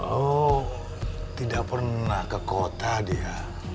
oh tidak pernah ke kota dia